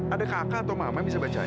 ada kakak atau mama bisa baca